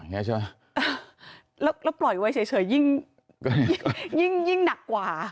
แล้วพลอยไว้เฉยยิ่งใหญ่กว่า